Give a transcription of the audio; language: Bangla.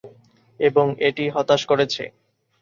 এবং এটিই হতাশ করেছে।